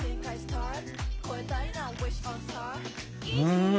うん。